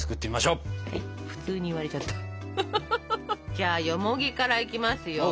じゃあよもぎからいきますよ。